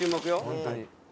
本当に。